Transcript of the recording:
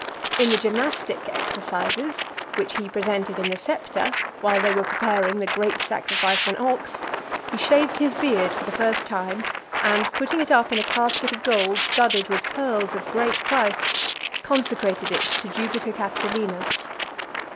In the gymnastic exercises, which he presented in the Septa, while they were preparing the great sacrifice of an ox, he shaved his beard for the first time , and putting it up in a casket of gold studded with pearls of great price, consecrated it to Jupiter Capitolinus.